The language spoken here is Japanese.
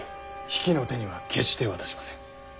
比企の手には決して渡しません。